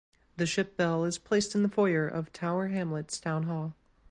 The ship bell is placed in the foyer of Tower Hamlets Town Hall.